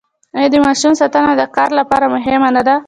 آیا د ماشوم ساتنه د کار لپاره مهمه نه ده؟